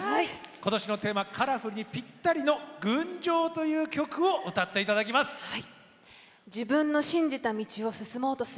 今年のテーマ「カラフル」にぴったりの「群青」という曲を歌っていただきます。